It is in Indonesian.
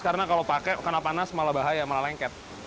karena kalau pakai karena panas malah bahaya malah lengket